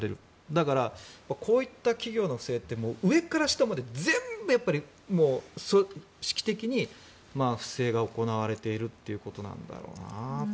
だから、こういった企業って上から下まで全部、組織的に不正が行われているということなんだろうなと。